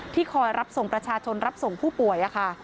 คอยรับส่งประชาชนรับส่งผู้ป่วยค่ะ